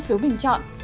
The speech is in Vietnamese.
hai phiếu bình chọn